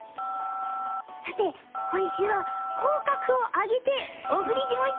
さて今週は口角を上げてお送りしました。